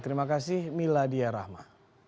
terima kasih miladia rahma